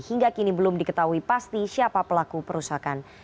hingga kini belum diketahui pasti siapa pelaku perusakan